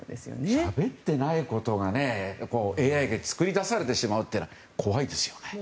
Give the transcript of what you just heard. しゃべってないことがＡＩで作り出されてしまうのは怖いですよね。